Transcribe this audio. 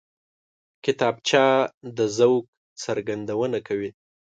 کتابچه د ذوق څرګندونه کوي